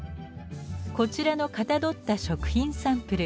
こちらのかたどった食品サンプル。